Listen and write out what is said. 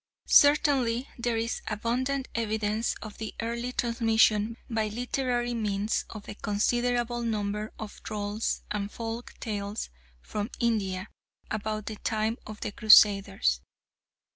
Certainly there is abundant evidence of the early transmission by literary means of a considerable number of drolls and folk tales from India about the time of the Crusaders.